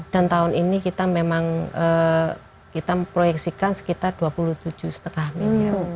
dan tahun ini kita memang kita proyeksikan sekitar dua puluh tujuh setengah miliar